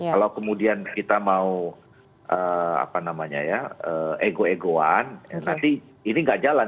kalau kemudian kita mau ego egoan nanti ini nggak jalan